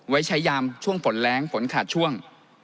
ไว้ใช้ยามช่วงฝนแรงฝนขาดช่วง